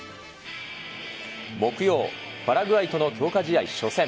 木曜、パラグアイとの強化試合初戦。